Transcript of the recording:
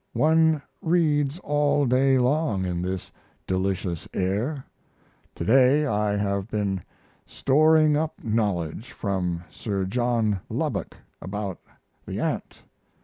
One reads all day long in this delicious air. Today I have been storing up knowledge from Sir John Lubbock about the ant.